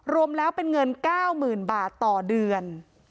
รวมแล้วเป็นเงิน๙๐๐๐บาทต่อเดือน